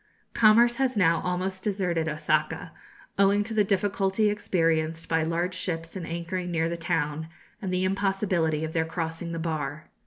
Commerce has now almost deserted Osaka, owing to the difficulty experienced by large ships in anchoring near the town, and the impossibility of their crossing the bar.